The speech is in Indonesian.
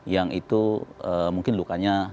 yang itu mungkin lukanya